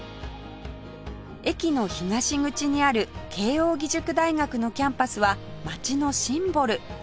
駅の東口にある慶應義塾大学のキャンパスは街のシンボル